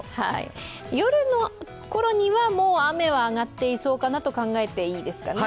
夜の頃にはもう雨は上がっていそうだと考えていいですか？